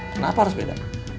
kenapa harus beda